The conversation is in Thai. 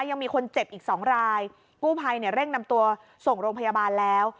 ยังมีคนเจ็บอีกสองรายกู้ภัยเนี่ยเร่งนำตัวส่งโรงพยาบาลแล้ว